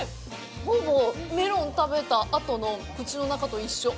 ほぼメロン食べたあとの口の中と一緒。